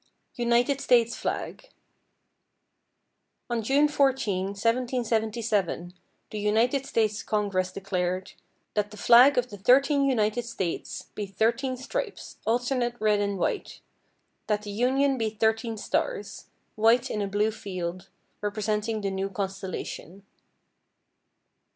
=United States Flag.= On June 14, 1777, the United States Congress declared "that the flag of the thirteen United States be thirteen stripes, alternate red and white; that the Union be thirteen stars, white in a blue field, representing the new constellation."